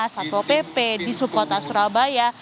satpol pp di subkota surabaya